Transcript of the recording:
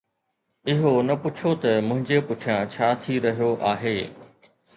اهو نه پڇو ته منهنجي پٺيان ڇا ٿي رهيو آهي